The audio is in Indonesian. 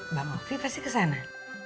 mbak malfi pasti kesana